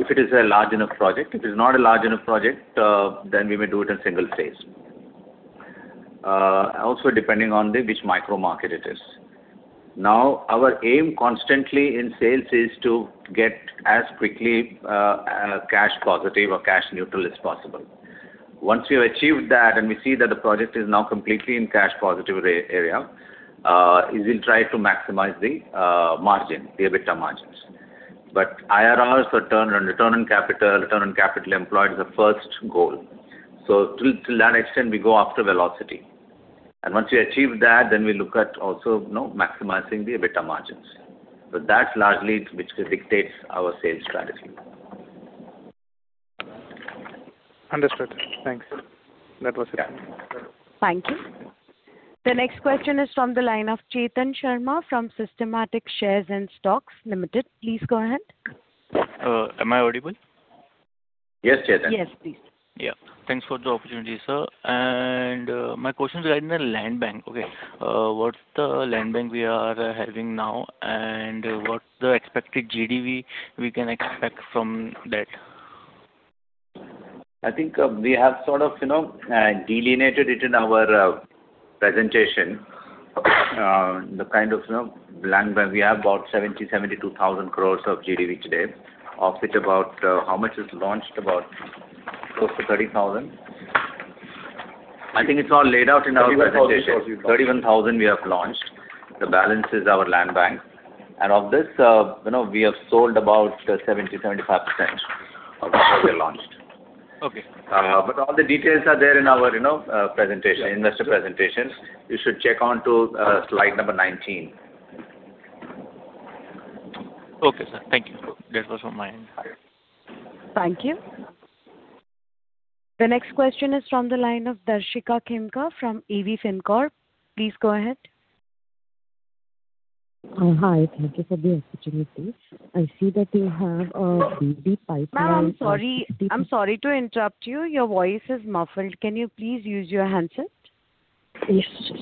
If it is a large enough project. If it is not a large enough project, then we may do it in single phase. Also, depending on the which micro market it is. Now, our aim constantly in sales is to get as quickly cash positive or cash neutral as possible. Once we have achieved that and we see that the project is now completely in cash positive area, is we'll try to maximize the margin, the EBITDA margins. IRRs return on capital, return on capital employed, is the first goal. To that extent, we go after velocity. Once we achieve that, then we look at also, you know, maximizing the EBITDA margins. That's largely which dictates our sales strategy. Understood. Thanks. That was it. Thank you. The next question is from the line of Chetan Sharma from Systematix Shares and Stocks Ltd. Please go ahead. Am I audible? Yes, Chetan. Yes, please. Yeah. Thanks for the opportunity, sir. My question is regarding the land bank. Okay. What's the land bank we are having now, and what's the expected GDV we can expect from that? I think we have sort of, you know, delineated it in our presentation, the kind of, you know, land bank. We have about 70,000-72,000 crores of GDV today. Of it about, how much is launched? About close to 30,000 crores. I think it's all laid out in our presentation. 31,000 crores you've launched. 31,000 we have launched. The balance is our land bank. Of this, you know, we have sold about 70%-75% of what we have launched. Okay. All the details are there in our, you know, presentation, investor presentations. You should check onto slide number 19. Okay, sir. Thank you. That was from my end. Thank you. The next question is from the line of Darshika Khemka from AV Fincorp. Please go ahead. Hi. Thank you for the opportunity. I see that you have a BD pipeline of 60 Ma'am, I'm sorry. I'm sorry to interrupt you. Your voice is muffled. Can you please use your handset? Yes, sure.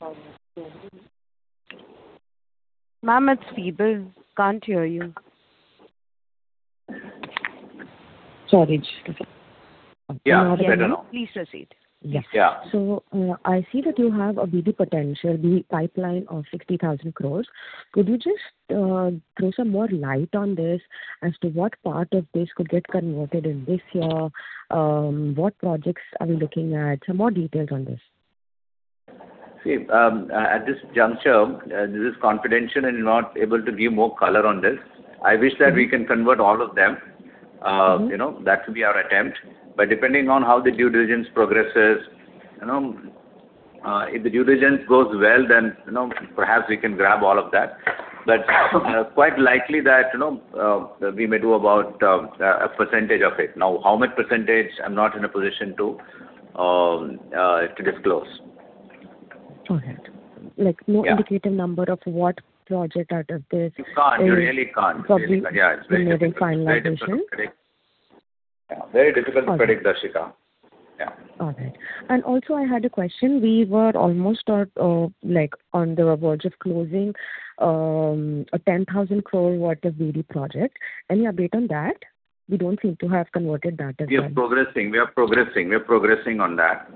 Ma'am, it's feeble. Can't hear you. Sorry. Just a second. Yeah, better now. You have it now? Please proceed. Yes. Yeah. I see that you have a BD potential, BD pipeline of 60,000 crore. Could you just throw some more light on this as to what part of this could get converted in this year? What projects are we looking at? Some more details on this. See, at this juncture, this is confidential and not able to give more color on this. I wish that we can convert all of them. You know, that could be our attempt. Depending on how the due diligence progresses, you know, if the due diligence goes well, then, you know, perhaps we can grab all of that. Quite likely that, you know, we may do about a percentage of it. Now, how much percentage, I'm not in a position to disclose. All right. Like no indicative number of what project are at this- You can't. You really can't. Probably nearing finalization. Yeah, it's very difficult. It's very difficult to predict. Yeah, very difficult to predict, Darshika. Yeah. All right. Also, I had a question. We were almost at like on the verge of closing a 10,000 crore worth of BD project. Any update on that? We don't seem to have converted that as well. We are progressing. We are progressing. We are progressing on that.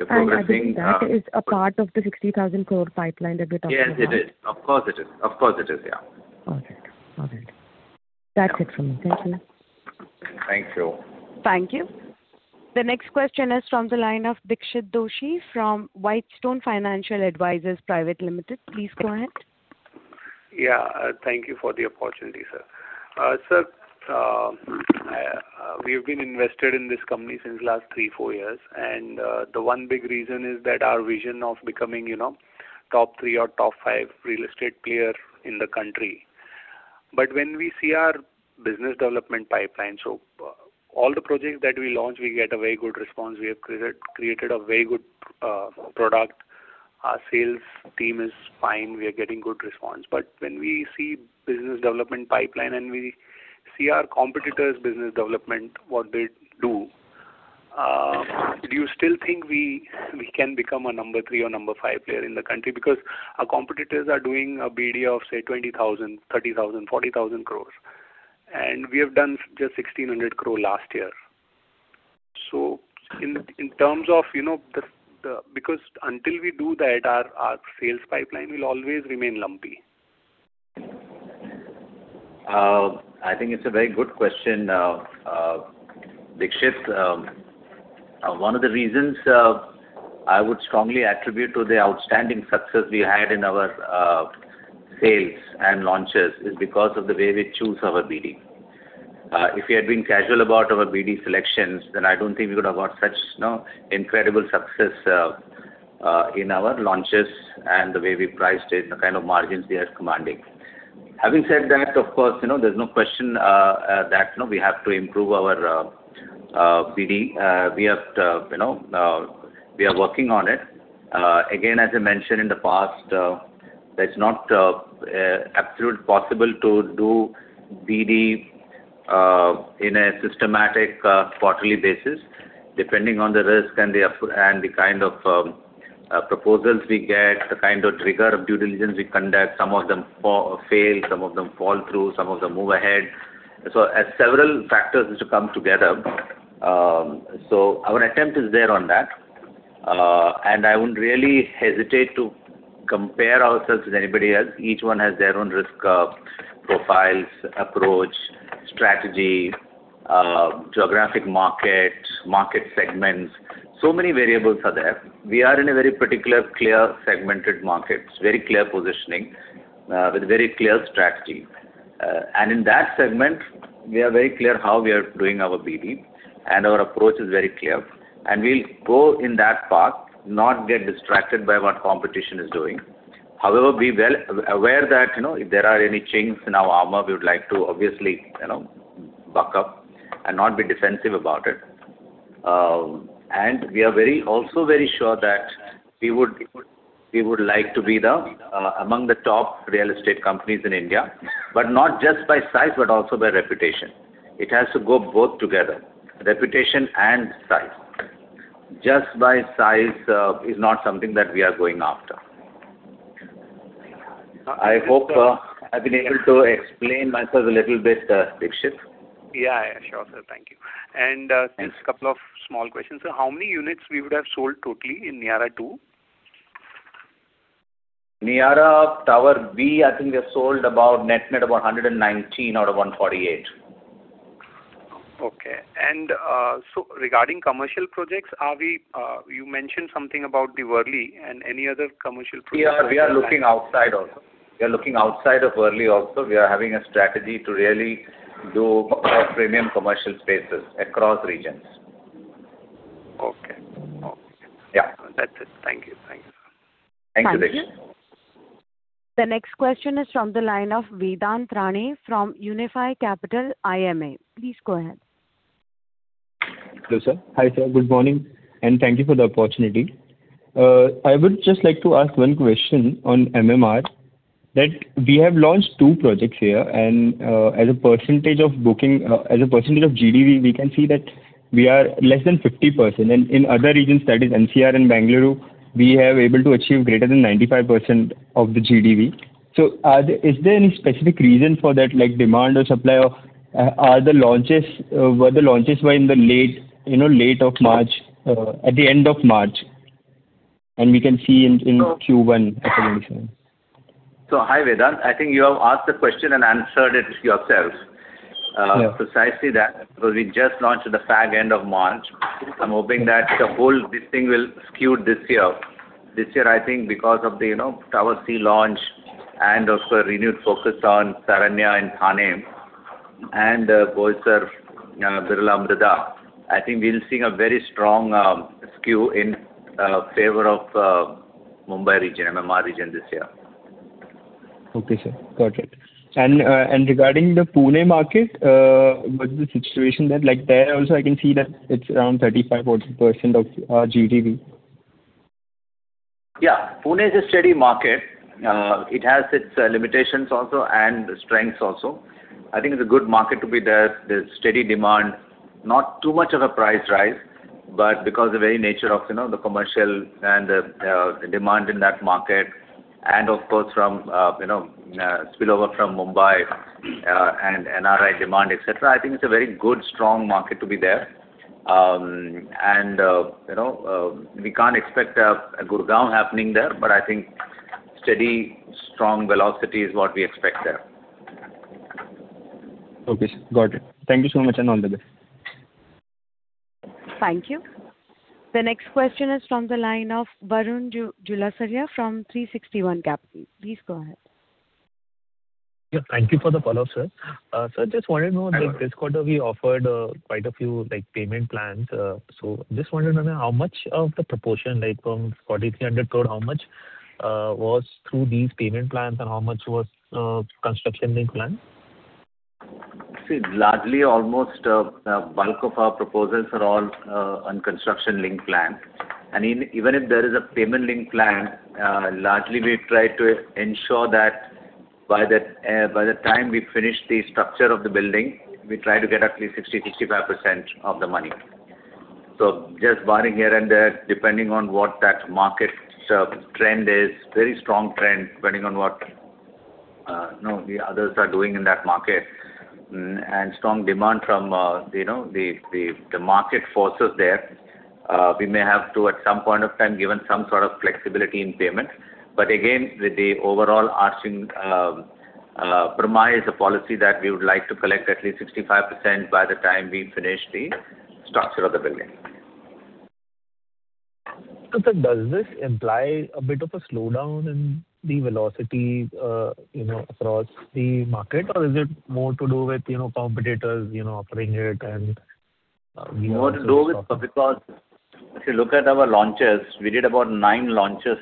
We're progressing. I believe that is a part of the 60,000 crore pipeline that we're talking about. Yes, it is. Of course it is. Of course it is, yeah. All right. All right. That's it from me. Thank you. Thank you. Thank you. The next question is from the line of Dixit Doshi from Whitestone Financial Advisors Pvt Ltd. Please go ahead. Thank you for the opportunity, sir. Sir, we've been invested in this company since last three, four years, and the one big reason is that our vision of becoming, you know, top three or top five real estate player in the country. When we see our business development pipeline, so all the projects that we launch, we get a very good response. We have created a very good product. Our sales team is fine. We are getting good response. When we see business development pipeline and we see our competitors' business development, what they do you still think we can become a number three or number five player in the country? Our competitors are doing a BD of, say, 20,000 crore, 30,000 crore, 40,000 crore, and we have done just 1,600 crore last year. In terms of, you know, because until we do that, our sales pipeline will always remain lumpy. I think it's a very good question, Dixit. One of the reasons I would strongly attribute to the outstanding success we had in our sales and launches is because of the way we choose our BD. If we had been casual about our BD selections, then I don't think we could have got such, you know, incredible success in our launches and the way we priced it, the kind of margins we are commanding. Having said that, of course, you know, there's no question that, you know, we have to improve our BD. We have to, you know, we are working on it. Again, as I mentioned in the past, that it's not absolutely possible to do BD in a systematic, quarterly basis. Depending on the risk and the kind of proposals we get, the kind of rigor of due diligence we conduct, some of them fail, some of them fall through, some of them move ahead. As several factors which come together. Our attempt is there on that. I wouldn't really hesitate to compare ourselves with anybody else. Each one has their own risk profiles, approach, strategy, geographic market segments. Many variables are there. We are in a very particular, clear segmented markets, very clear positioning, with very clear strategy. In that segment, we are very clear how we are doing our BD, our approach is very clear. We'll go in that path, not get distracted by what competition is doing. Be well aware that, you know, if there are any chinks in our armor, we would like to obviously, you know, buck up and not be defensive about it. We are also very sure that we would like to be the among the top real estate companies in India, but not just by size, but also by reputation. It has to go both together, reputation and size. Just by size is not something that we are going after. I hope I've been able to explain myself a little bit, Dixit. Yeah. Sure, sir. Thank you. Thanks. Just two small questions. How many units we would have sold totally in Niyaara 2? Niyaara Tower B, I think we have sold about net about 119 out of 148. Okay. Regarding commercial projects, you mentioned something about the Worli and any other commercial projects on your mind? We are looking outside also. We are looking outside of Worli also. We are having a strategy to really do premium commercial spaces across regions. Okay. Yeah. That's it. Thank you. Thank you, Dixit. Thank you. The next question is from the line of Vedant Rane from Unifi Capital IMA. Please go ahead. Hello, sir. Hi, sir. Good morning, and thank you for the opportunity. I would just like to ask one question on MMR. We have launched two projects here. As a percentage of booking, as a percentage of GDV, we can see that we are less than 50%. In other regions, that is NCR and Bengaluru, we have able to achieve greater than 95% of the GDV. Is there any specific reason for that, like demand or supply of, were the launches in the late, you know, late of March, at the end of March, and we can see in Q1 acceleration? Hi, Vedant. I think you have asked the question and answered it yourself. Yeah. Precisely that, because we just launched at the far end of March. I'm hoping that the whole this thing will skew this year. This year, I think because of the, you know, Tower C launch and also a renewed focus on Birla Taranya in Thane and Boisar, Birla Mrida, I think we'll see a very strong skew in favor of Mumbai region, MMR region this year. Okay, sir. Got it. Regarding the Pune market, what's the situation there? Like, there also I can see that it's around 35 odd percent of GDV. Yeah. Pune is a steady market. It has its limitations also and strengths also. I think it's a good market to be there. There's steady demand. Not too much of a price rise, but because the very nature of, you know, the commercial and the demand in that market, and of course from, you know, spillover from Mumbai, and NRI demand, et cetera, I think it's a very good, strong market to be there. You know, we can't expect a Gurgaon happening there, but I think steady, strong velocity is what we expect there. Okay, sir. Got it. Thank you so much, and all the best. Thank you. The next question is from the line of Varun Julasaria from 360 ONE Capital. Please go ahead. Yeah, thank you for the follow-up, sir. Hello This quarter, we offered quite a few, like payment plans. Just wanted to know how much of the proportion, like from 4,300 crore, how much was through these payment plans and how much was construction-linked plan? See, largely almost, bulk of our proposals are all on construction link plan. Even if there is a payment link plan, largely we try to ensure that by the, by the time we finish the structure of the building, we try to get at least 60%, 65% of the money. Just barring here and there, depending on what that market trend is, very strong trend, depending on what, you know, the others are doing in that market, and strong demand from, you know, the market forces there, we may have to, at some point of time given some sort of flexibility in payment. Again, the overall arching premise is a policy that we would like to collect at least 65% by the time we finish the structure of the building. Sir, does this imply a bit of a slowdown in the velocity, you know, across the market? Or is it more to do with, you know, competitors, you know, offering it, and you also offering it? If you look at our launches, we did about nine launches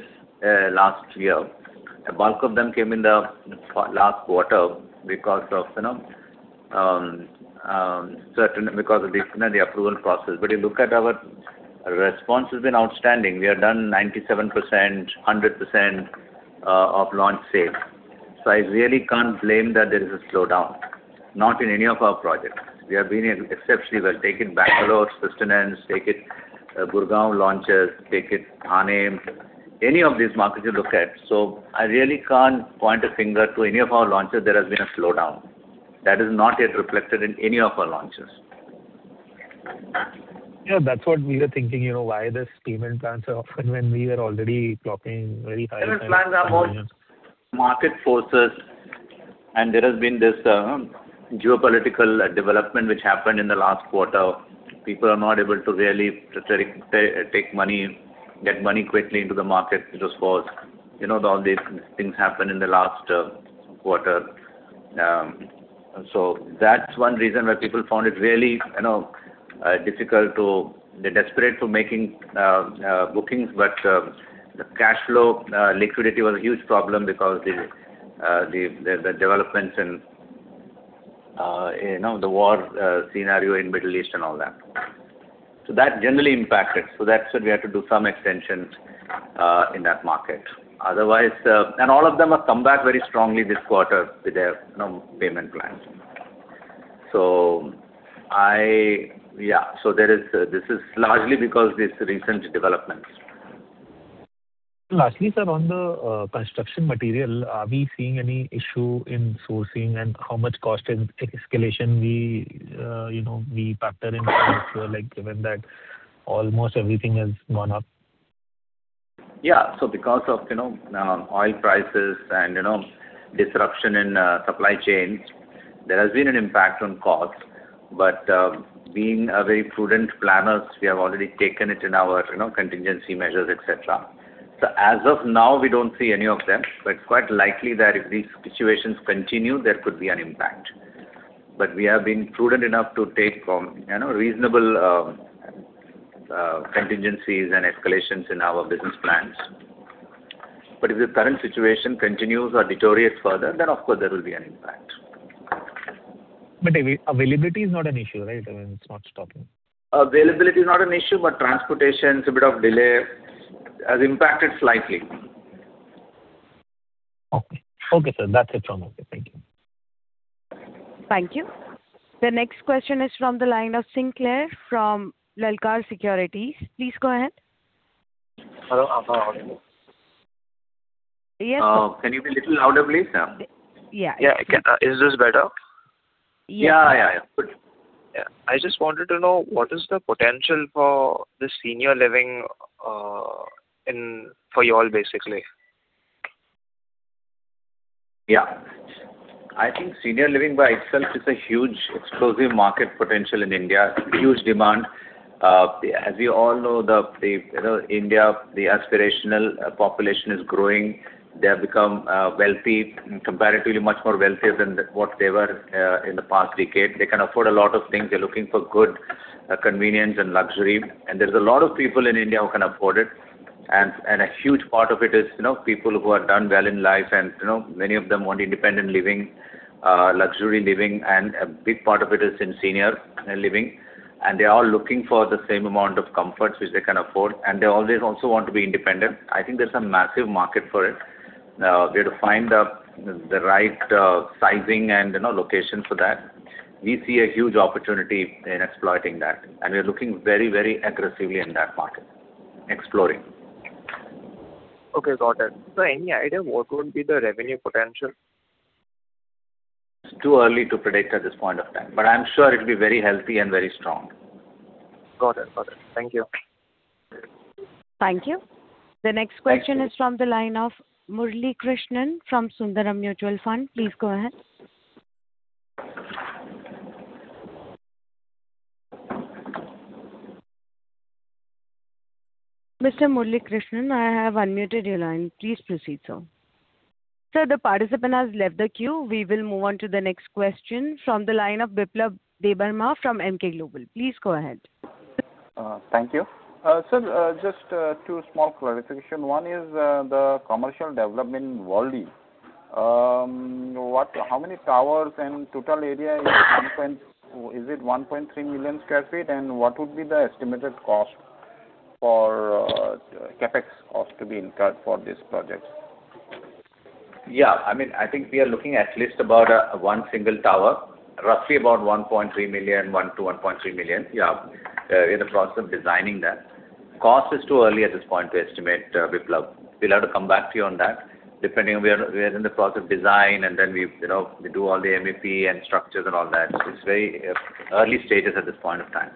last year. A bulk of them came in the last quarter because of, you know, because of the, you know, the approval process. You look at our response has been outstanding. We have done 97%, 100% of launch sales. I really can't blame that there is a slowdown, not in any of our projects. We have been exceptionally well. Take it, Bangalore, Sustenance, take it, Gurgaon launches, take it, Thane, any of these markets you look at. I really can't point a finger to any of our launches; there has been a slowdown. That is not yet reflected in any of our launches. Yeah, that's what we were thinking, you know, why this payment plans are offered when we are already clocking very high- Payment plans are more market forces, and there has been this geopolitical development which happened in the last quarter. People are not able to really take money, get money quickly into the market. It was forced. You know, all these things happened in the last quarter. That's one reason why people found it really, you know, difficult. They're desperate to making bookings, but the cash flow liquidity was a huge problem because the developments and, you know, the war scenario in Middle East and all that. That generally impacted. That's why we had to do some extensions in that market. Otherwise, all of them have come back very strongly this quarter with their, you know, payment plans. This is largely because of these recent developments. Lastly, sir, on the construction material, are we seeing any issue in sourcing and how much cost in escalation we, you know, we factor in like given that almost everything has gone up? Yeah. Because of, you know, oil prices and, you know, disruption in supply chain, there has been an impact on cost. Being very prudent planners, we have already taken it in our, you know, contingency measures, et cetera. As of now, we don't see any of them, but quite likely that if these situations continue, there could be an impact. We have been prudent enough to take, you know, reasonable contingencies and escalations in our business plans. If the current situation continues or deteriorates further, then of course there will be an impact. Availability is not an issue, right? I mean, it's not stopping. Availability is not an issue, but transportation, it's a bit of delay, has impacted slightly. Okay, sir. That's it from me. Thank you. Thank you. The next question is from the line of Sinclair from Lalkar Securities. Please go ahead. Hello. I'm on audio. Yes. Can you be a little louder, please? Yeah. Yeah. Yeah, I can. Is this better? Yeah, yeah. Good. Yeah. I just wanted to know what is the potential for the senior living, for you all basically? Yeah. I think senior living by itself is a huge, explosive market potential in India. Huge demand. As you all know, you know, India, the aspirational population is growing. They have become wealthy, comparatively much more wealthier than what they were in the past decade. They can afford a lot of things. They're looking for good convenience and luxury; there's a lot of people in India who can afford it. A huge part of it is, you know, people who have done well in life and, you know, many of them want independent living, luxury living, and a big part of it is in senior living. They are all looking for the same amount of comforts which they can afford, and they always also want to be independent. I think there's a massive market for it. We have to find the right sizing and, you know, location for that. We see a huge opportunity in exploiting that. We are looking very, very aggressively in that market. Okay, got it. Any idea what would be the revenue potential? It's too early to predict at this point of time, but I'm sure it'll be very healthy and very strong. Got it. Thank you. Thank you. The next question is from the line of Muralikrishnan from Sundaram Mutual Fund. Please go ahead. Mr. Muralikrishnan, I have unmuted your line. Please proceed, sir. Sir, the participant has left the queue. We will move on to the next question from the line of Biplab Debbarma from Emkay Global. Please go ahead. Thank you. Sir, just two small clarification. One is the commercial development in Worli. How many towers and total area? Is it 1.3 million sq ft? What would be the estimated cost for CapEx cost to be incurred for this project? I mean, I think we are looking at least about one single tower, roughly about 1.3 million, 1 million-1.3 million, yeah. We're in the process of designing that. Cost is too early at this point to estimate, Biplab. We'll have to come back to you on that. We are in the process of design, and then we, you know, we do all the MEP and structures and all that. It's very early stages at this point of time.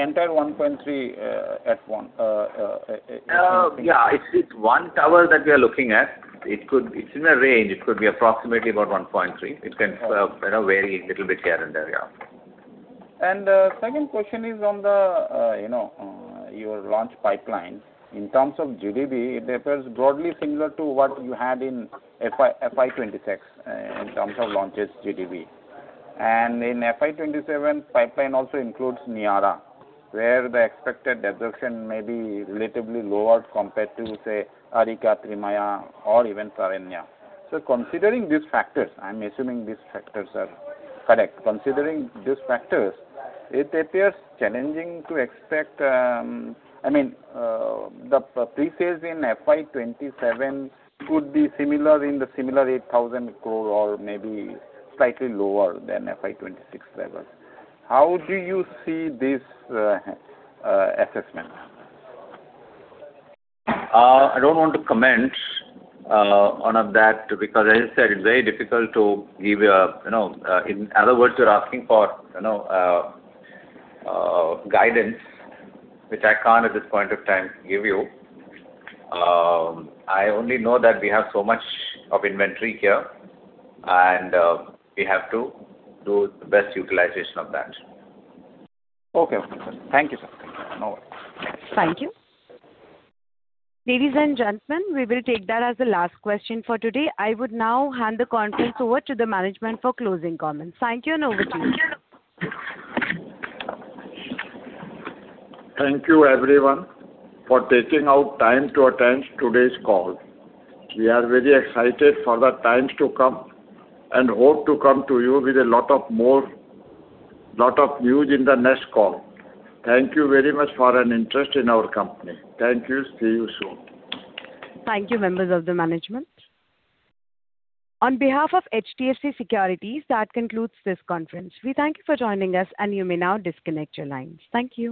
Entire 1.3, F1. Yeah. It's one tower that we are looking at. It's in a range. It could be approximately about 1.3. It can, you know, vary a little bit here and there. Yeah. Second question is on the your launch pipeline. In terms of GDV, it appears broadly similar to what you had in FY 2026 in terms of launches GDV. In FY 2027, pipeline also includes Niyaara, where the expected absorption may be relatively lower compared to, say, Arika, Trimaya or even Taranya. Considering these factors, I'm assuming these factors are correct. Considering these factors, it appears challenging to expect the presales in FY 2027 could be similar in the similar 8,000 crore or maybe slightly lower than FY 2026 levels. How do you see this assessment? I don't want to comment on that because, as I said, it's very difficult to give a, you know, In other words, you're asking for, you know, guidance, which I can't at this point of time give you. I only know that we have so much of inventory here, and we have to do the best utilization of that. Okay, sir. Thank you, sir. No worries. Thank you. Ladies and gentlemen, we will take that as the last question for today. I would now hand the conference over to the management for closing comments. Thank you, and over to you. Thank you, everyone, for taking out time to attend today's call. We are very excited for the times to come and hope to come to you with lot of news in the next call. Thank you very much for an interest in our company. Thank you. See you soon. Thank you, members of the management. On behalf of HDFC Securities, that concludes this conference. We thank you for joining us, and you may now disconnect your lines. Thank you.